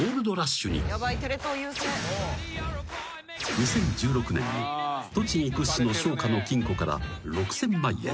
［２０１６年に栃木屈指の商家の金庫から６，０００万円］